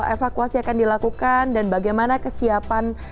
evakuasi akan dilakukan dan bagaimana kesiapan